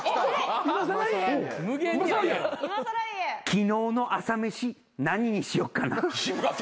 昨日の朝飯何にしよっかな？